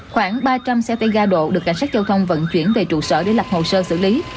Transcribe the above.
khoảng ba trăm linh xe tay ga độ được cảnh sát giao thông vận chuyển về trụ sở để lập hồ sơ xử lý